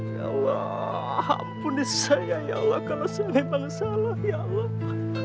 ya allah ampuni saya ya allah kalau saya memang salah ya allah